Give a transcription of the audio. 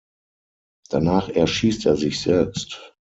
Danach erschießt er sich selbst.